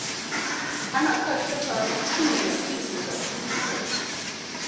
海马克斯和梦魇病毒的出处！